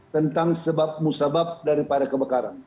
tentang sebab musabab daripada kebakaran